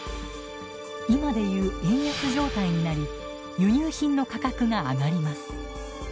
今でいう円安状態になり輸入品の価格が上がります。